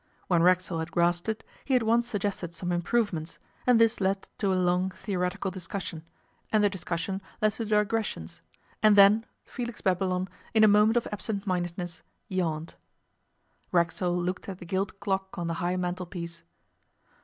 When Racksole had grasped it, he at once suggested some improvements, and this led to a long theoretical discussion, and the discussion led to digressions, and then Felix Babylon, in a moment of absent mindedness, yawned. Racksole looked at the gilt clock on the high mantelpiece.